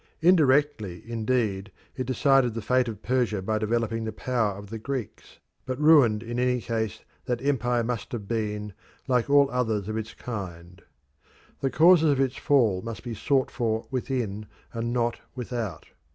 Indirectly, indeed, it decided the fate of Persia by developing the power of the Greeks, but ruined in any case that empire must have been, like all others of its kind. The causes of its fall must be sought for within and not without.